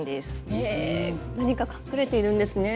へえ何か隠れているんですね。